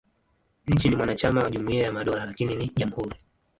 Nchi ni mwanachama wa Jumuiya ya Madola, lakini ni jamhuri.